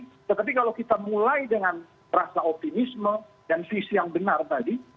tetapi kalau kita mulai dengan rasa optimisme dan visi yang benar tadi